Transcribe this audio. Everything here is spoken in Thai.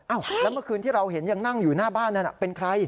แล้วเมื่อคืนที่เราเห็นยังนั่งอยู่หน้าบ้านนั้นเป็นใคร